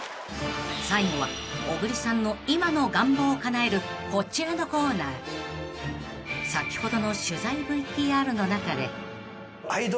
［最後は小栗さんの今の願望をかなえるこちらのコーナー］だけど。